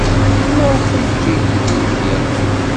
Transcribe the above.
Maɣef ay yeǧǧa Yidir ad yerbeḥ?